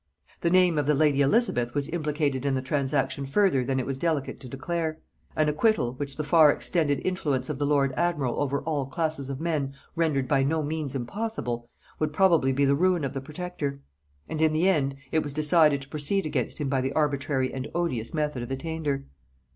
The name of the lady Elizabeth was implicated in the transaction further than it was delicate to declare. An acquittal, which the far extended influence of the lord admiral over all classes of men rendered by no means impossible, would probably be the ruin of the protector; and in the end it was decided to proceed against him by the arbitrary and odious method of attainder.